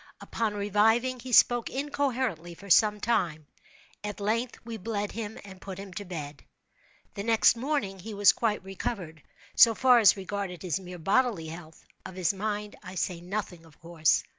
Upon reviving he spoke incoherently for some time. At length we bled him and put him to bed. The next morning he was quite recovered, so far as regarded his mere bodily health. Of his mind I say nothing, of course.